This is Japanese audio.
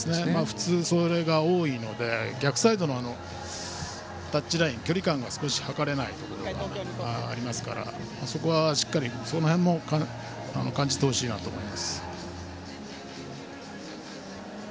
普通、それが多いので逆サイドのタッチライン距離感が図れないところがあるのでそこは、しっかりその辺も感じてほしいと思います。